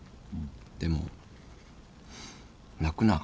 でも「泣くな。